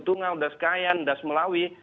das tungau das kayan das melawi